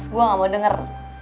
gue gak mau denger